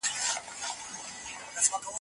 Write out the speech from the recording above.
زه به تر نيمو شپو پوري کتاب ته ناست وم.